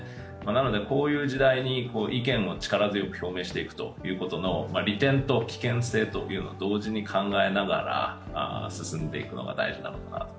なので、こういう時代に意見を力強く表明していくということの利点と危険性を同時に考えながら進んでいくのが大事なのかなと。